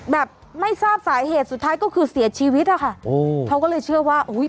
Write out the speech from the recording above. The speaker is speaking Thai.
แบบไม่ทราบสาเหตุสุดท้ายก็คือเสียชีวิตอะค่ะโอ้เขาก็เลยเชื่อว่าอุ้ย